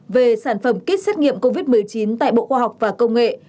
về sản phẩm kit xét nghiệm covid một mươi chín tại bộ khoa học và công nghệ